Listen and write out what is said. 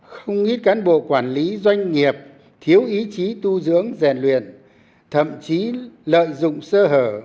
không ít cán bộ quản lý doanh nghiệp thiếu ý chí tu dưỡng rèn luyện thậm chí lợi dụng sơ hở